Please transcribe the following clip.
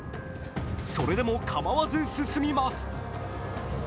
それでもかまわず進みます。